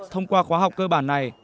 thông qua khoa học cơ bản này